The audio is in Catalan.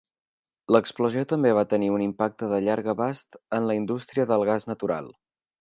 L'explosió també va tenir un impacte de llarg abast en la indústria del gas natural.